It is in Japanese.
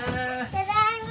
ただいま。